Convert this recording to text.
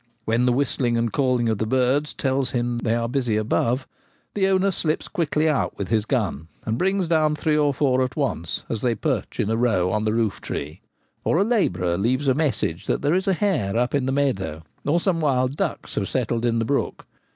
When the whistling and calling of the birds tell him they are busy above, the owner slips quickly out with his gun, and brings down three or four at once as they perch in a row on the roof tree. Or a labourer leaves a message that there is a hare up in the meadow or some wild ducks have settled in the brook.